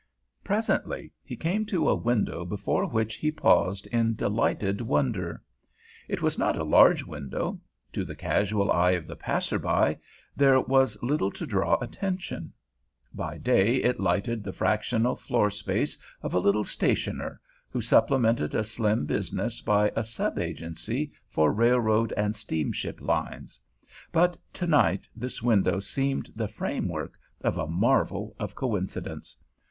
Presently he came to a window before which he paused in delighted wonder. It was not a large window; to the casual eye of the passer by there was little to draw attention. By day it lighted the fractional floor space of a little stationer, who supplemented a slim business by a sub agency for railroad and steamship lines; but to night this window seemed the framework of a marvel of coincidence.